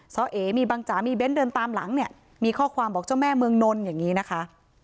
้อเอมีบังจ๋ามีเบ้นเดินตามหลังเนี่ยมีข้อความบอกเจ้าแม่เมืองนนท์อย่างนี้นะคะ